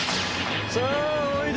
さあおいで。